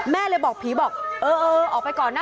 แม่เลยบอกผีบอกเออออกไปก่อนนะ